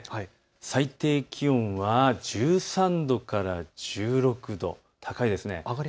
最低気温は１３度から１６度、高いです。